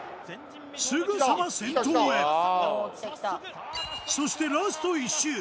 すぐさま先頭へそしてラスト１周